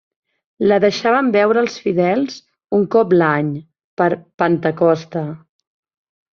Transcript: La deixaven veure als fidels un cop l'any, per Pentecosta.